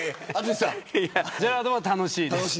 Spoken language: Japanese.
ジェラードンは楽しいです。